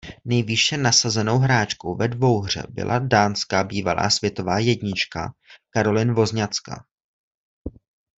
Nejvýše nasazenou hráčkou ve dvouhře byla dánská bývalá světová jednička Caroline Wozniacká.